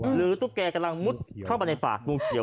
หรือตู้แก่กำลังมูดเข้าไปในปากงูเขียว